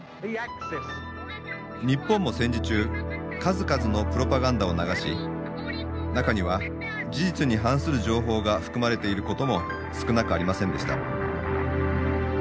日本も戦時中数々のプロパガンダを流し中には事実に反する情報が含まれていることも少なくありませんでした。